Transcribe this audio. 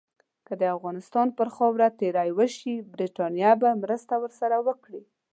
که د افغانستان پر خاوره تیری وشي، برټانیه به مرسته ورسره وکړي.